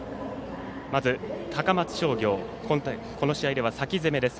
まず高松商業この試合では先攻めです。